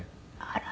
あら。